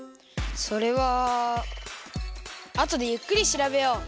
それはあとでゆっくりしらべよう。